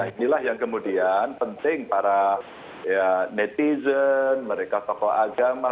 inilah yang kemudian penting para netizen mereka tokoh agama